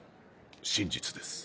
真実です。